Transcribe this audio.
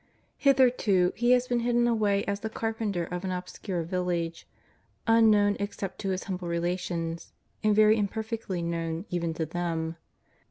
Hitherto He has been hidden away as the carpenter of an obscure village, unknown except to His humble relations, and very imperfectly known even to them.